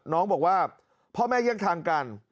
น้องบอกว่าพ่อแม่แยกทางกัน